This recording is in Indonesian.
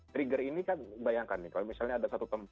trigger ini kan bayangkan nih kalau misalnya ada satu tempat